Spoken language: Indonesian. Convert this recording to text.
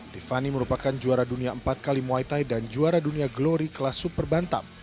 tiffany merupakan juara dunia empat kali muay thai dan juara dunia glory kelas super bantam